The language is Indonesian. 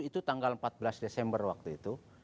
itu tanggal empat belas desember waktu itu